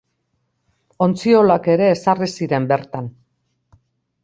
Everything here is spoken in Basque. Ontziolak ere ezarri ziren bertan.